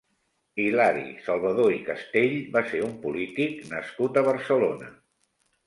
Hilari Salvadó i Castell va ser un polític nascut a Barcelona.